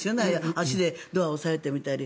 足でドアを押さえてみたり。